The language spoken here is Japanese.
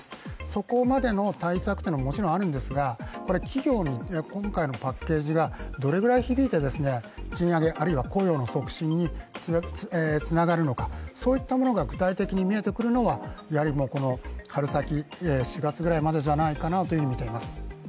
そこまでの対策というのはもちろんあるんですが企業に、今回のパッケージがどれくらい響いて、賃上げ、あるいは雇用の促進につながるのか、そういったものが具体的に見えてくるのが春先、４月ぐらいまでじゃないかなとみています